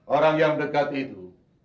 orang yang dekat itu